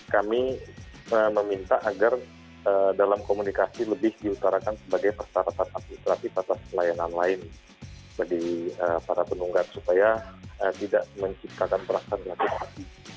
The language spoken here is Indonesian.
kami meminta agar dalam komunikasi lebih diutarakan sebagai persyaratan administratif atas pelayanan lain bagi para penunggang supaya tidak menciptakan perasaan negatif lagi